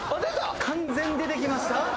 ・完全に出てきました。